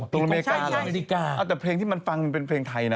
ตลอดอเมริกาหรออเมริกาใช่ใช่เอาแต่เพลงที่มันฟังเป็นเพลงไทยนะ